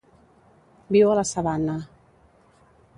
Viu a la sabana.